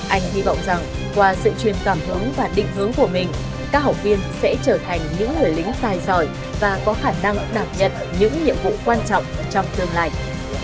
anh hy vọng rằng qua sự chuyên tạm hướng và định hướng của mình các học viên sẽ trở thành những người lính tài giỏi và có khả năng đạt nhận những nhiệm vụ quan trọng trong tương lạnh